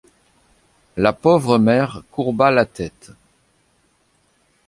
La pauvre mère courba la tête.